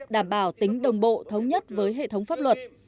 đảm bảo tính đồng bộ thống nhất với hệ thống pháp luật